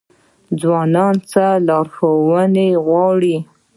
ځوان څه لارښوونه غواړي؟